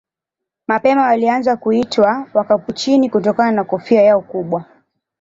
Mapema walianza kuitwa Wakapuchini kutokana na kofia yao kubwa.